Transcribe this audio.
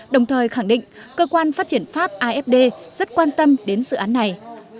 đồng thời khẳng định cơ quan phát triển pháp afd rất quan tâm đến dự án này